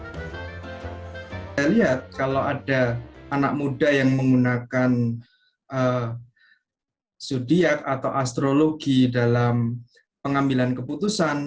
saya lihat kalau ada anak muda yang menggunakan sudiak atau astrologi dalam pengambilan keputusan